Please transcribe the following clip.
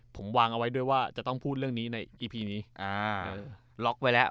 ผมวางเอาไว้ด้วยว่าจะต้องพูดเรื่องนี้ในอีพีนี้อ่าล็อกไว้แล้ว